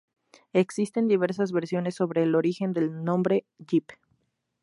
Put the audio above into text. Existen diversas versiones sobre el origen del nombre "Jeep".